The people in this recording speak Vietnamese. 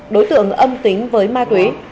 đối tượng âm tính với ma túy